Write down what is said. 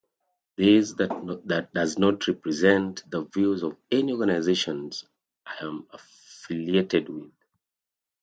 This does not represent the views of any organisations I am affiliated with.